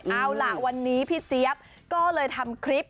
เอาล่ะวันนี้พี่เจี๊ยบก็เลยทำคลิป